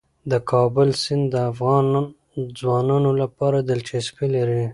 د کابل سیند د افغان ځوانانو لپاره دلچسپي لري.